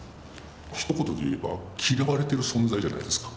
一言で言えば嫌われてる存在じゃないですか